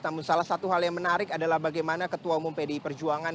namun salah satu hal yang menarik adalah bagaimana ketua umum pdi perjuangan